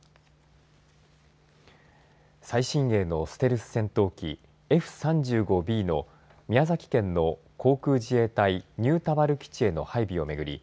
最新鋭のステルス戦闘機、Ｆ３５Ｂの宮崎県の航空自衛隊新田原基地への配備を巡り